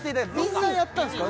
みんなやったんですか？